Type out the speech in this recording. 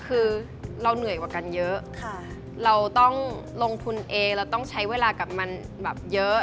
คือเราเหนื่อยกว่ากันเยอะเราต้องลงทุนเองเราต้องใช้เวลากับมันแบบเยอะ